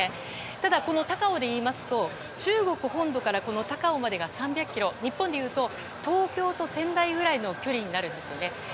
ただ、この高雄で言いますと中国本土から高雄までが３００ｋｍ、日本でいうと東京と仙台くらいの距離になるんですよね。